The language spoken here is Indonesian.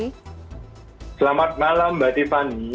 selamat malam mbak tiffany